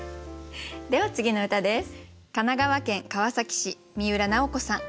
では次の歌です。